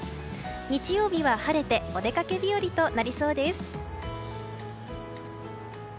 日曜日は晴れてお出かけ日和となりそうです。